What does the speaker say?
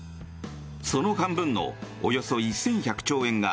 その半分のおよそ１１００兆円が